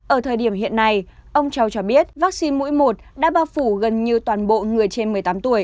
ở thời điểm hiện nay ông châu cho biết vaccine mũi một đã bao phủ gần như toàn bộ người trên một mươi tám tuổi